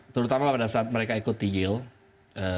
terutama pada saat mereka ikut di yield